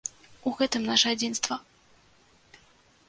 У гэтым наша адзінства.